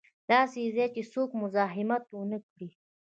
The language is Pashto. داسې ځای چې څوک مو مزاحمت و نه کړي.